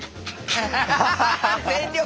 全力。